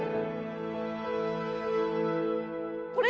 これ？